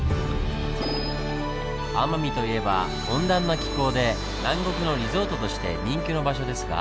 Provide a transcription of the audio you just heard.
奄美といえば温暖な気候で南国のリゾートとして人気の場所ですが。